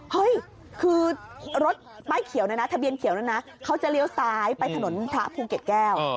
เฮ้ยคือรถป้ายเขียวเนี่ยนะทะเบียนเขียวเนี่ยนะเขาจะเลี้ยวซ้ายไปถนนพระภูเก็ตแก้ว